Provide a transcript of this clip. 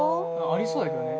ありそうだけどね